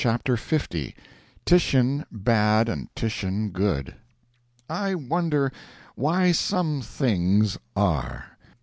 CHAPTER L [Titian Bad and Titian Good] I wonder why some things are?